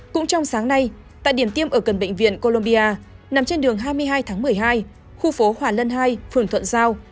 cũng trong sáng nay tại điểm tiêm ở gần bệnh viện colombia nằm trên đường hai mươi hai tháng một mươi hai khu phố hòa lân hai phường thuận giao